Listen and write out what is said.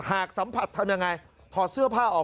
หากสัมผัสทำอย่างไรถอดเสื้อผ้าออก